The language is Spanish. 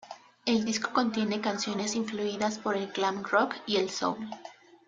El disco contiene canciones influidas por el glam rock y el soul.